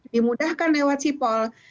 dimudahkan lewat sipol